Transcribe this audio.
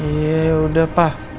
ya ya udah pak